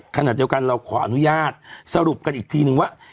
ขณะเดียวกันเราขออนุญาตสรุปกันอีกทีนึงว่า